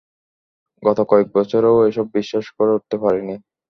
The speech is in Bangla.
গত কয়েকবছরেও এসবে বিশ্বাস করে উঠতে পারিনি!